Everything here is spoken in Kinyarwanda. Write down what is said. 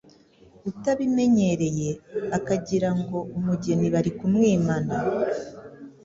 utabimenyereye akagira ngo umugeni bari bumwimane.